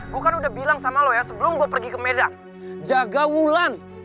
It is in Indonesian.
gue kan udah bilang sama lo ya sebelum gue pergi ke medan jaga wulan